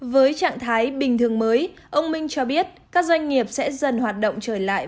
với trạng thái bình thường mới ông minh cho biết các doanh nghiệp sẽ dần hoạt động trở lại